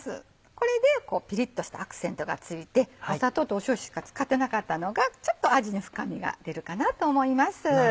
これでピリっとしたアクセントが付いて砂糖としょうゆしか使ってなかったのがちょっと味に深みが出るかなと思います。